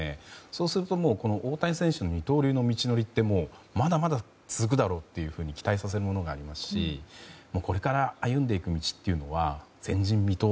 そうすると大谷選手の二刀流の道のりってまだまだ続くだろうと期待させるものがありますしこれから歩んでいく道というのは前人未到